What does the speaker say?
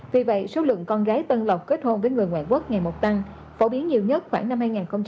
vì vậy số lượng con gái tân lộc kết hôn với người ngoại quốc ngày một tăng phổ biến nhiều nhất khoảng năm hai nghìn sáu hai nghìn chín